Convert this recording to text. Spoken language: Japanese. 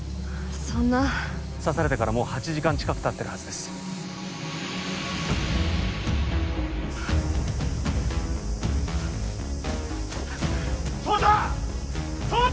そんな刺されてからもう８時間近くたってるはずです壮太！